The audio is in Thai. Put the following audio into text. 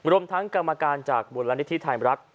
รวมทั้งกรรมการจากมูลนิธิไทยรัฐ